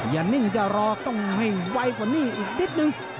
อย่านิ่งจะรอต้องไหายกว่านี่อีกนิดนึง